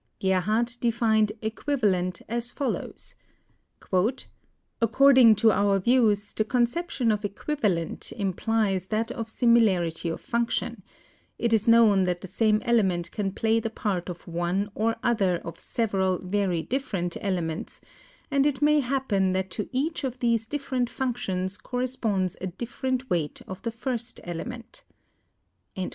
Gerhardt defined "equivalent" as follows: 272 THE ATOMIC WEIGHTS 273 "According to our views, the conception of equivalent implies that of similarity of function ; it is known that the same element can play the part of one or other of several very different elements, and it may happen that to each of these different functions corresponds a different weight of the first element."